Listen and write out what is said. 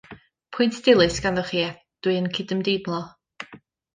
Pwynt dilys ganddoch chi a dw i'n cydymdeimlo.